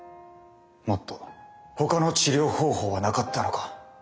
もっとほかの治療方法はなかったのか。